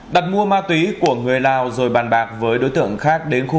đặt mua ma túy của người lào rồi bàn bạc với đối tượng khác đến khu